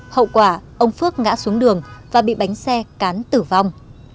hậu quả ông phước ngã xuống đường và bị bánh xe cán tử vong